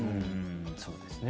そうですね。